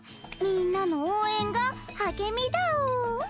みんなの応援が励みだお！